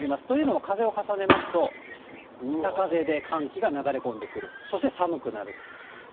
というのも風を重ねますと、北風で寒気が流れ込んでくる、そして寒くなると。